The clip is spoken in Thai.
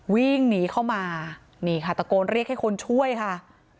วิ่งหนีเข้ามานี่ค่ะตะโกนเรียกให้คนช่วยค่ะ